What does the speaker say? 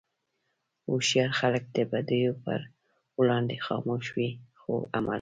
هوښیار خلک د بدیو پر وړاندې خاموش وي، خو عمل کوي.